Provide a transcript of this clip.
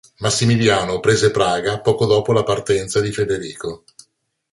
Massimiliano prese Praga poco dopo la partenza di Federico.